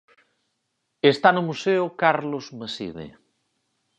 Está no museo Carlos Maside.